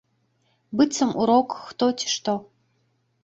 Быццам урок хто, ці што.